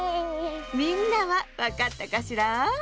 みんなはわかったかしら？